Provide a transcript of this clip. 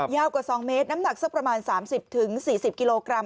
ยาวกว่า๒เมตรน้ำหนักสักประมาณ๓๐๔๐กิโลกรัม